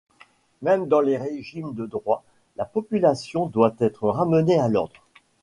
Même dans les régimes de droits, la population doit être ramenée à l’ordre.